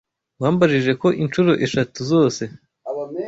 Wambajije ko inshuro eshatu zose.